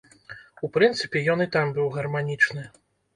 У прынцыпе, ён і там быў гарманічны.